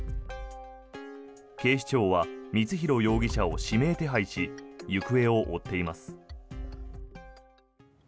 警視庁は光弘容疑者を指名手配し行方を追っています。